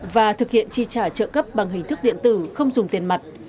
và thực hiện chi trả trợ cấp bằng hình thức điện tử không dùng tiền mặt